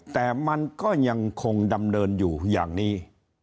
แต่มันก็ยังคงดำเนินอยู่อย่างนี้